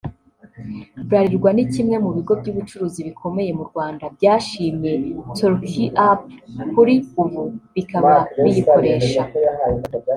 Bralirwa ni kimwe mu bigo by’ubucuruzi bikomeye mu Rwanda byashimye TorQue App kuri ubu bikaba biyikoresha